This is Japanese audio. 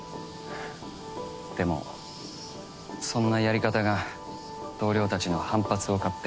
でもそんなやり方が同僚たちの反発を買って。